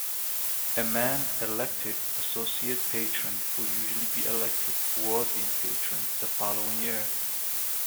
A man elected Associate Patron will usually be elected Worthy Patron the following year.